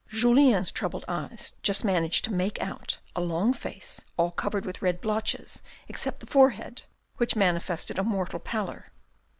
Julien's troubled eyes just managed to make out a long face, all covered with red blotches except the forehead, which mani fested a mortal pallor.